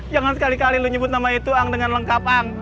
jangan sekali kali lo nyebut nama itu ang dengan lengkap ang